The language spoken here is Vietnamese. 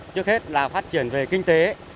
trước hết là phát triển về kinh tế